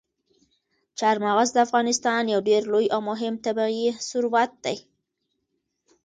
چار مغز د افغانستان یو ډېر لوی او مهم طبعي ثروت دی.